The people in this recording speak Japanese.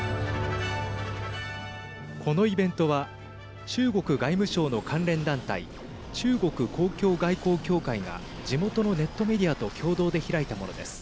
このイベントは中国外務省の関連団体中国公共外交協会が地元のネットメディアと共同で開いたものです。